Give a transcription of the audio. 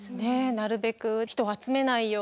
なるべく人を集めないように